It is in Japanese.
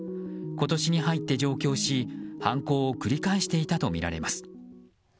今年に入って上京し犯行を繰り返していたとみられます。